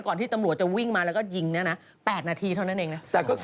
ที่ตำรวจจะวิ่งมาแล้วก็ยิงเนี่ยนะ๘นาทีเท่านั้นเองนะ